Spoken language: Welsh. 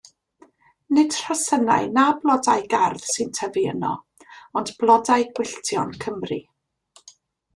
Nid rhosynnau na blodau gardd sy'n tyfu yno, ond blodau gwylltion Cymru.